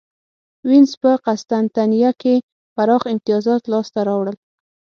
وینز په قسطنطنیه کې پراخ امیتازات لاسته راوړل.